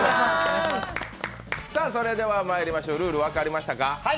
それではまいりましょう、ルール分かりましたか？